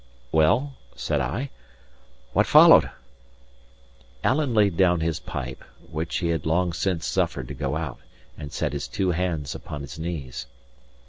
'" "Well," said I, "what followed?" Alan laid down his pipe, which he had long since suffered to go out, and set his two hands upon his knees.